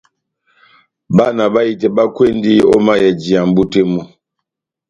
Bana bahitɛ bakwendi ó mayɛjiya mʼbú tɛ́ mú.